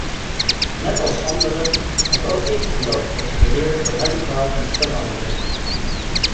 Net als anderen heb ook ik geloofd dat je de wereld radicaal kunt veranderen.